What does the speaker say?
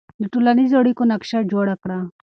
د ټولنیزو اړیکو نقشه جوړه کړه.